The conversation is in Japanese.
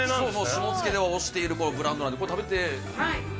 下野では推しているブランドなんでこれ食べて。